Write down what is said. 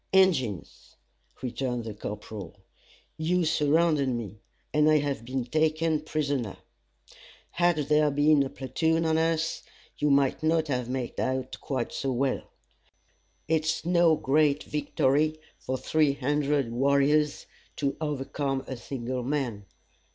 "Injins," returned the corporal, "you surrounded me, and I have been taken prisoner had there been a platoon on us, you mightn't have made out quite so well. It's no great victory for three hundred warriors to overcome a single man.